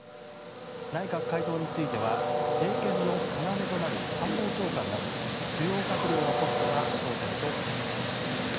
内閣改造については政権の要となる官房長官など主要閣僚のポストが焦点となります。